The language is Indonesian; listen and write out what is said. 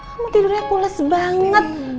kamu tidurnya pules banget